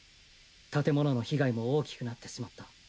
建物の被害も大きくなってしまった。